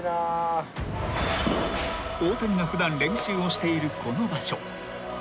［大谷が普段練習をしているこの場所